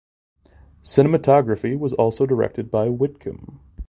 Cinematography was also directed by Whitcomb.